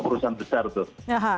perusahaan besar tuh